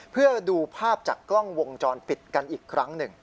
เพื่อดูภาพจากกล้องวงจรปิดกันอีกครั้งหนึ่ง